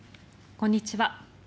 こんにちは。